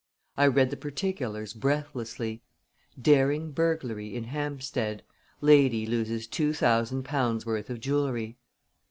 I read the particulars breathlessly: DARING BURGLARY IN HAMPSTEAD LADY LOSES TWO THOUSAND POUNDS' WORTH OF JEWELRY.